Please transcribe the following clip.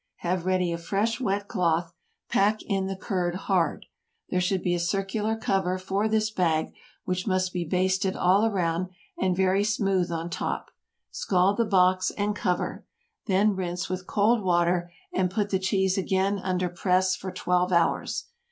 Have ready a fresh wet cloth; pack in the curd hard. There should be a circular cover for this bag, which must be basted all around, and very smooth on top. Scald the box and cover, then rinse with cold water, and put the cheese again under press for twelve hours.